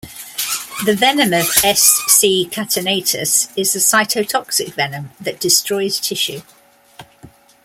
The venom of "S. c. catenatus" is a cytotoxic venom, that destroys tissue.